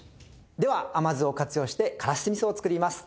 では甘酢を活用して辛子酢味噌を作ります。